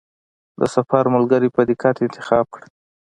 د سفر ملګری په دقت انتخاب کړه.